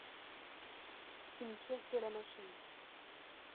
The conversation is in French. Une pièce de la machine.